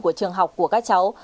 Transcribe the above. của trường học của các cháu